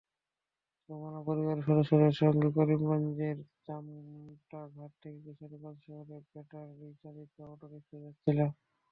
রুমানা পরিবারের সদস্যদের সঙ্গে করিমগঞ্জের চামটাঘাট থেকে কিশোরগঞ্জ শহরে ব্যাটারিচালিত অটোরিকশায় যাচ্ছিল।